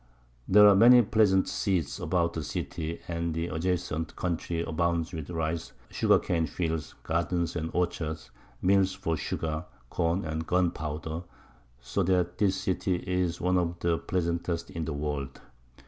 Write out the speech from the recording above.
There are many pleasant Seats about the City, and the adjacent Country abounds with Rice, Sugar Cane fields, Gardens and Orchards, Mills for Sugar, Corn, and Gun powder; so that this City is one of the pleasantest in the World.